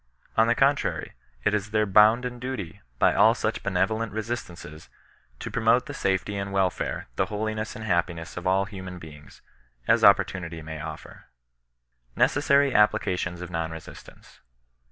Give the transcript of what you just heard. On the contrary, it is their bounden duty, by all such benevolent resistances, to promote the safety and welfare, the holiness and happiness of all human beings, as opportunity may offer. NECESSABT APPLICATIONS OF NON BESISTANCE.